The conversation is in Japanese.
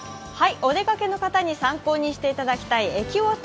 お出かけの方に参考にしていただきたい駅ウオッチ